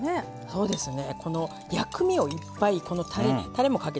そうですね。